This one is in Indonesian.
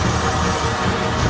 aku akan menang